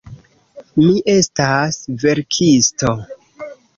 Mi estas verkisto.